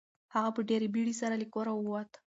هغه په ډېرې بیړې سره له کوره ووت.